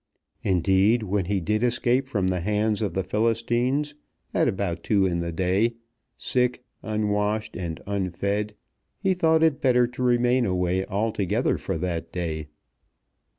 Indeed when he did escape from the hands of the Philistines, at about two in the day, sick, unwashed and unfed, he thought it better to remain away altogether for that day.